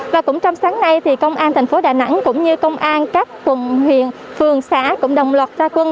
và cũng trong sáng nay thì công an thành phố đà nẵng cũng như công an các quần huyện phường xã cũng đồng loạt ra quân